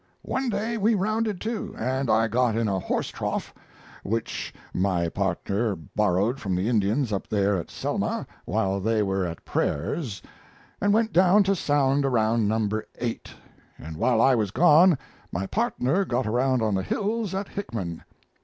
One day we rounded to, and I got in a horse trough, which my partner borrowed from the Indians up there at Selma while they were at prayers, and went down to sound around No. 8, and while I was gone my partner got aground on the hills at Hickman.